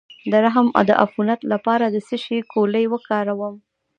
د رحم د عفونت لپاره د څه شي ګولۍ وکاروم؟